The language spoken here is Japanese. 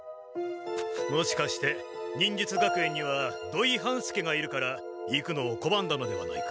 もしかして忍術学園には土井半助がいるから行くのをこばんだのではないか？